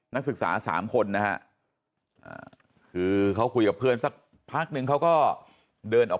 นักศึกษา๓คนนะฮะคือเขาคุยกับเพื่อนสักพักนึงเขาก็เดินออก